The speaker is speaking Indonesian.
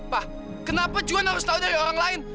pak kenapa juan harus tahu dari orang lain